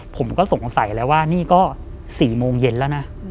ผมก็สงสัยแล้วว่านี่ก็๔โมงเย็นแล้วนะ